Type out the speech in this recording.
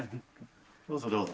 どうぞどうぞ。